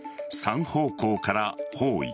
３方向から包囲。